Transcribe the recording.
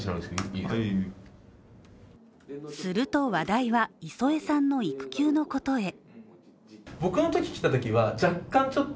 すると話題は磯江さんの育休のことへ。